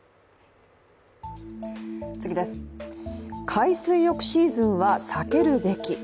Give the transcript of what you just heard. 海水浴シーズンは避けるべき。